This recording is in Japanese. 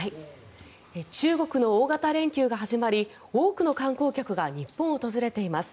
中国の大型連休が始まり多くの観光客が日本を訪れています。